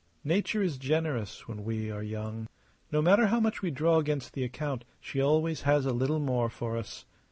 Nature is generous when we are young. No matter how much we draw against the account she always has a little more for us.